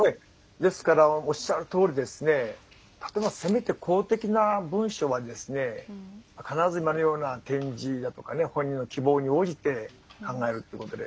おっしゃるとおりですねせめて公的な文書は必ず今のような点字だとか本人の希望に応じて考えるってことで。